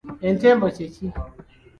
Entembo kye ki?